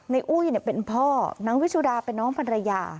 อุ้ยเป็นพ่อนางวิชุดาเป็นน้องภรรยา